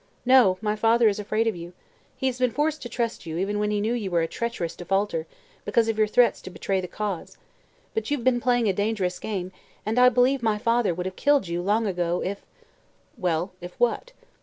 "No, my father is afraid of you. He has been forced to trust you even when he knew you were a treacherous defaulter, because of your threats to betray the Cause. But you've been playing a dangerous game and I believe my father would have killed you, long ago, if " "Well, if what?"